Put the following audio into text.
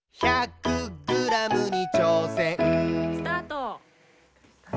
・スタート！